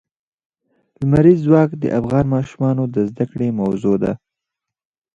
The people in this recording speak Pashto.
لمریز ځواک د افغان ماشومانو د زده کړې موضوع ده.